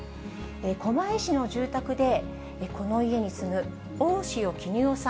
狛江市の住宅で、この家に住む大塩衣与さん